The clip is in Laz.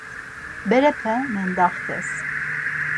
Berepe mendaxtes.